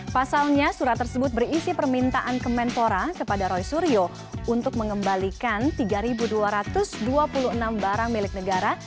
pasalnya surat tersebut berisi permintaan kemenpora kepada roy suryo untuk mengembalikan tiga dua ratus dua puluh enam barang milik negara